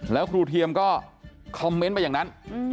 แล้วครูเทียมก็คอมเมนต์ไปอย่างนั้น